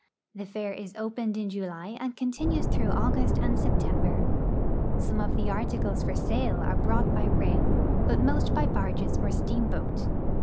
The fair is opened in RUSSIA IN EUROPE 23 July and continues through August and September. Some of the articles for sale are brought by rail, but most by barges or steamboat.